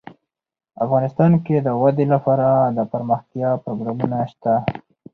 افغانستان کې د وادي لپاره دپرمختیا پروګرامونه شته.